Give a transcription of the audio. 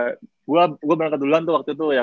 ya gue berangkat duluan tuh waktu itu ya